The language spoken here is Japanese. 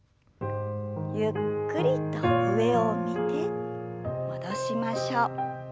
ゆっくりと上を見て戻しましょう。